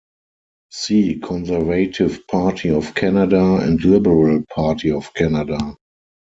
See Conservative Party of Canada and Liberal Party of Canada.